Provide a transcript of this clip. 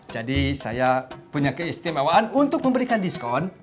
jadi saya punya keistimewaan untuk memberikan diskon